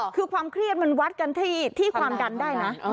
คือความเครียดมันวัดกันที่ความดันได้นะ